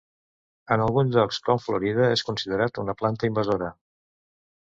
En alguns llocs com Florida, és considerat una planta invasora.